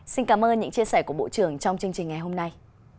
xin cảm ơn những chia sẻ của bộ trưởng trong chương trình ngày hôm nay